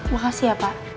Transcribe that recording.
makasih ya pak